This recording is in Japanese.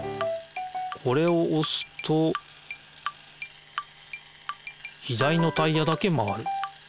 これをおすと左のタイヤだけ回る。